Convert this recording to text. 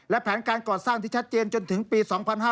และแผนการก่อสร้างที่ชัดเจนจนถึงปี๒๕๕๙